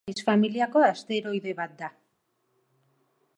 Temis familiako asteroide bat da.